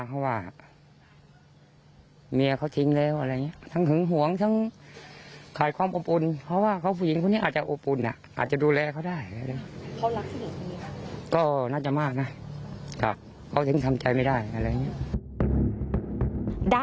เชื่อว่าปมการก่อเหตุครั้งนี้เป็นเรื่องหลานชายได้รู้ว่าฝ่ายหญิงมีชายคนอื่นถูกยื่นข้อเสนอให้อยู่ร่วมกันสามคนจนเสียใจและรับไม่ได้